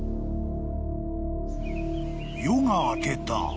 ［夜が明けた］